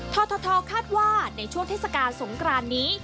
ททคาดว่าในช่วงเทศกาลสงครานนี้